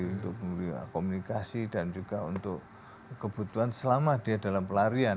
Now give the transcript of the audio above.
untuk komunikasi dan juga untuk kebutuhan selama dia dalam pelarian